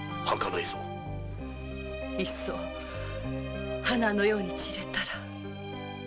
いっそ花のように散れたら。